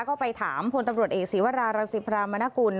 ก็ไปถามพลตำรวจเอกศีวรารังสิพรามนกุล